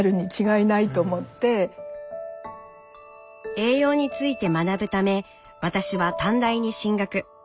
栄養について学ぶため私は短大に進学。